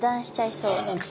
そうなんです。